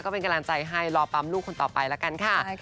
เป็นกำลังใจให้รอปั๊มลูกคนต่อไปละกันค่ะ